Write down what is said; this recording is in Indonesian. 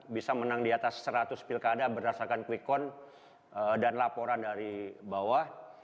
bisa menang di atas seratus pilkada berdasarkan quick count dan laporan dari bawah